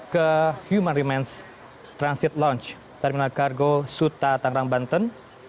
ke human remains transit lounge terminal cargo suta tangerang banten